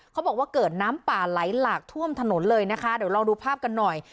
เขาบอกว่าเกิดน้ำป่าไหลหลากท่วมถนนเลยนะคะเดี๋ยวลองดูภาพกันหน่อย